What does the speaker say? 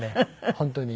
本当に。